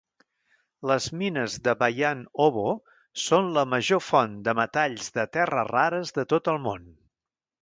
Les mines de Bayan Obo són la major font de metalls de terres rares de tot el món.